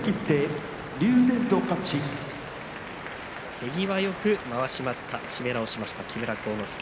手際よく、まわし待った締め直しました木村晃之助。